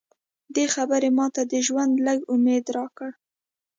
دې خبرې ماته د ژوند لږ امید راکړ